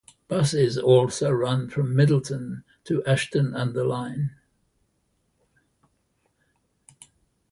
Buses also run from Middleton to Ashton-under-Lyne.